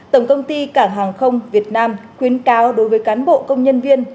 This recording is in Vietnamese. tổng công ty cảng hàng không việt nam khuyến cáo đối với cán bộ công nhân viên